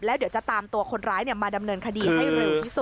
แล้วเดี๋ยวจะตามตัวคนร้ายมาดำเนินคดีให้เร็วที่สุด